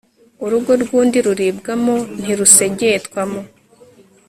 urugo rw'undi ruribwamo ntirusegetwamo